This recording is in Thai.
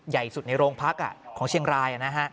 ใหญ่สุดในโรงพักของเชียงราย